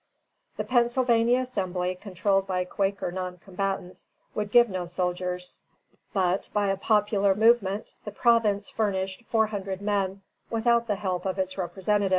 The Pennsylvania Assembly, controlled by Quaker non combatants, would give no soldiers; but, by a popular movement, the province furnished four hundred men, without the help of its representatives.